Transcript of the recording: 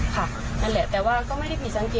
นั่นแหละแต่ว่าก็ไม่ได้ผิดสังเกต